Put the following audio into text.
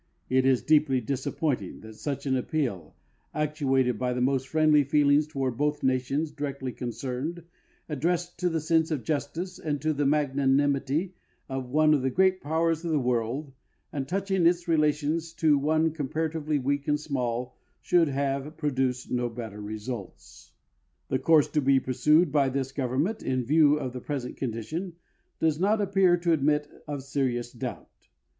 It is deeply disappointing that such an appeal, actuated by the most friendly feelings toward both nations directly concerned, addressed to the sense of justice and to the magnanimity of one of the great powers of the world and touching its relations to one comparatively weak and small, should have produced no better results. The course to be pursued by this government, in view of the present condition, does not appear to admit of serious doubt.